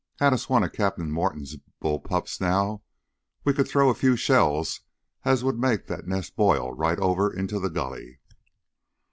Had us one of Cap'n Morton's bull pups now, we could throw us a few shells as would make that nest boil right over into the gully!"